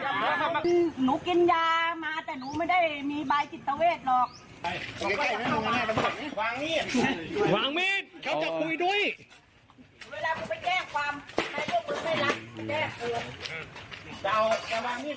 หนูกินยามาแต่หนูไม่ได้มีบายจิตเวทหรอก